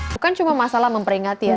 bukan cuma masalah memperingati ya